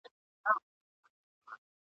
غرغړې ته چي ورځمه د منصور سره مي شپه وه !.